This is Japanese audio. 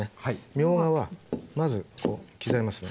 みょうがはまずこう刻みますね。